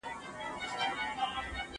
زه اوس سندري وايم